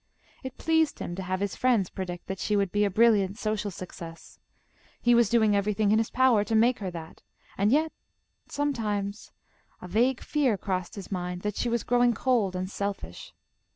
It pleased him to have his friends predict that she would be a brilliant social success. He was doing everything in his power to make her that, and yet sometimes a vague fear crossed his mind that she was growing cold and selfish.